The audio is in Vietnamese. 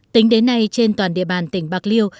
tính đến nay trên toàn địa bàn tỉnh bạc liêu